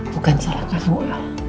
bukan salah kamu ya